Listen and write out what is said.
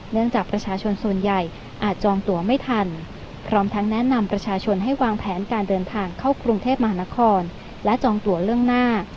จากประชาชนส่วนใหญ่อาจจองตัวไม่ทันพร้อมทั้งแนะนำประชาชนให้วางแผนการเดินทางเข้ากรุงเทพมหานครและจองตัวล่วงหน้า